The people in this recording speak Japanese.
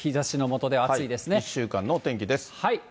１週間のお天気です。